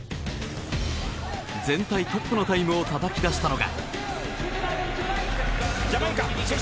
全体トップのタイムをたたき出したのが。